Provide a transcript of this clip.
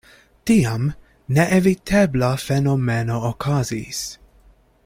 Tiam neevitebla fenomeno okazis.